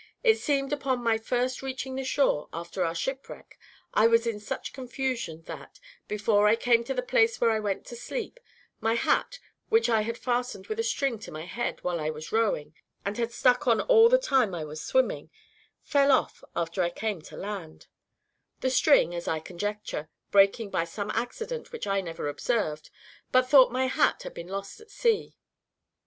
It seems upon my first reaching the shore, after our shipwreck, I was in such confusion, that, before I came to the place where I went to sleep, my hat, which I had fastened with a string to my head while I was rowing, and had stuck on all the time I was swimming, fell off after I came to land; the string, as I conjecture, breaking by some accident which I never observed, but thought my hat had been lost at sea.